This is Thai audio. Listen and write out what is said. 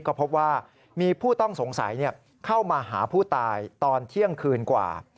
ก็พบว่ามีผู้ต้องสงสัยเข้ามาหาผู้ตายตอนเที่ยงคืนกว่า